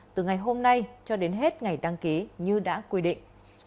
từ ngày hôm nay cho đến hết ngày đăng ký như đã quy định